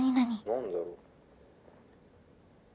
「何だろう」